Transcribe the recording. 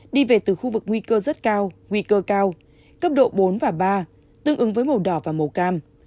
đi về từ khu vực nguy cơ rất cao nguy cơ cao cấp độ bốn và ba tương ứng với màu đỏ và màu cam